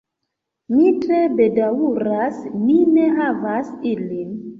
Mi tre bedaŭras, ni ne havas ilin.